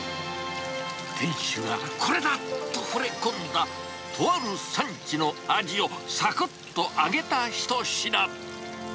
店主がこれだっ！とほれ込んだ、とある産地のアジをさくっと揚げた一品。